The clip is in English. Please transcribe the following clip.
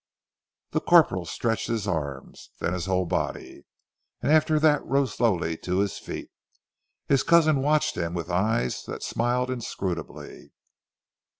The corporal stretched his arms, then his whole body, and after that rose slowly to his feet. His cousin watched him with eyes that smiled inscrutably.